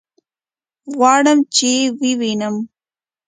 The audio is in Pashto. غواړم چې ويې وينم.